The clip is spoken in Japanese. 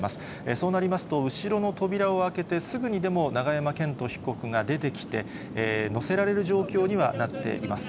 そうなりますと、後ろの扉を開けてすぐにでも永山絢斗被告が出てきて、乗せられる状況にはなっています。